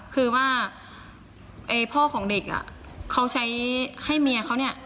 คือว่าพ่อของเด็กอ่ะเขาใช้ให้เมียเขาเนี่ย